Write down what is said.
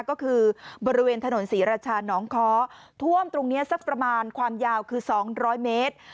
ก็คือบริเวณถนนศรีราชาน้องค้อท่วมตรงนี้สักประมาณความยาวคือ๒๐๐เมตร